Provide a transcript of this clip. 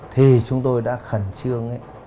thì chúng tôi đã khẩn trương